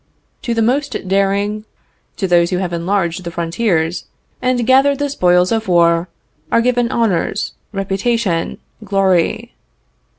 To the most daring, to those who have enlarged the frontiers, and gathered the spoils of war, are given honors, reputation, glory.